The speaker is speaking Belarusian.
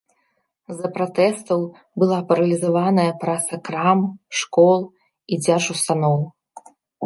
З-за пратэстаў была паралізаваная праца крам, школ і дзяржустаноў.